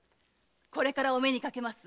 これからお目にかけます